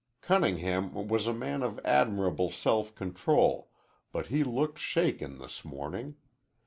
Cunningham was a man of admirable self control, but he looked shaken this morning.